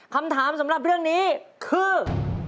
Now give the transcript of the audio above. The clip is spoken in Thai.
คำถามสำหรับเรื่องนี้คือ